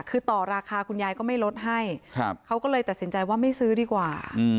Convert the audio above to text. คือต่อราคาคุณยายก็ไม่ลดให้เขาก็เลยตัดสินใจว่าไม่ซื้อดีกว่า